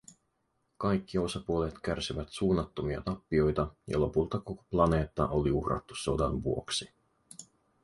Kaikki osapuolet kärsivät suunnattomia tappioita, ja lopulta koko planeetta oli uhrattu sodan vuoksi.